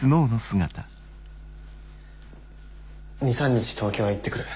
２３日東京へ行ってくる。